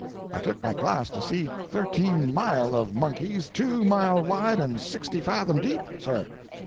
I took my glass to see thirteen mile of monkeys, two mile wide and sixty fathom deep, sir!